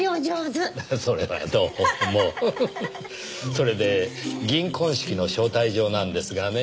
それで銀婚式の招待状なんですがね。